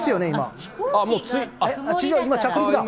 今、着陸だ。